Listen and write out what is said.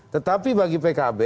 tetapi bagi pkb